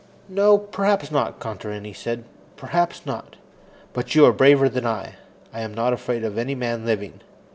"No, perhaps not," Contarini said. "Perhaps not. But you are braver than I. I am not afraid of any man living.